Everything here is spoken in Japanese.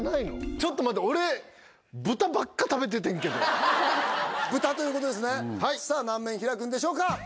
ちょっと待って俺豚ばっか食べててんけど豚ということですねさあ何面開くんでしょうか？